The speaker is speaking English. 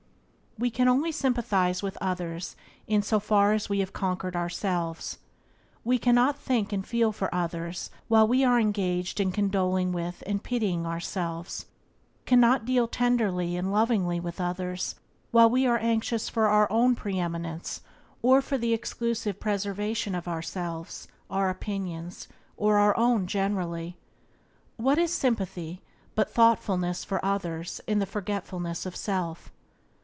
E can only sympathize with others in so far as we have conquered ourselves. We cannot think and feel for others while we are engaged in condoling with and pitying ourselves; cannot deal tenderly and lovingly with others while we are anxious for our own pre eminence or for the exclusive preservation of ourselves, our opinions, and our own generally. What is sympathy but thoughtfulness for others in the forgetfulness of self?